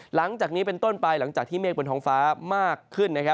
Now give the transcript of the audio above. หลังจากนี้เป็นต้นไปหลังจากที่เมฆบนท้องฟ้ามากขึ้น